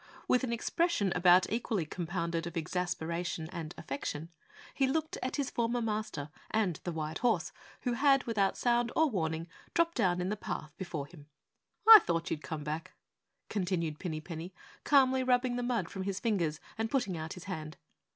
With an expression about equally compounded of exasperation and affection, he looked at his former Master and the white horse who had, without sound or warning, dropped down in the path before him. "I thought you'd come back," continued Pinny Penny, calmly rubbing the mud from his fingers and putting out his hand.